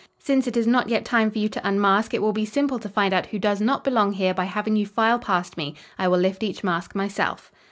Since it is not yet time for you to unmask, it will be simple to find out who does not belong here by having you file past me. I will lift each mask myself."